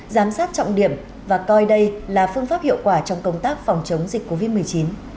giám sát trọng điểm và coi đây là phương pháp hiệu quả trong công tác phòng chống dịch covid một mươi chín